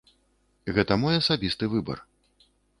Гэта мой асабісты выбар.